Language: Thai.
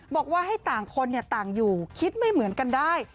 บอกว่าให้ต่างคนต่างอยู่คิดไม่เหมือนกันได้